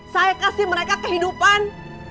saya kasih mereka kehidupan